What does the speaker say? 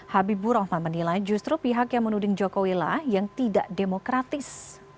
habibur rahman menilai justru pihak yang menuding jokowi lah yang tidak demokratis